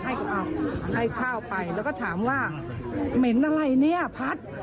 ให้ข้าวไปแล้วก็ถามว่าเหม็นอะไรเนี่ยพัด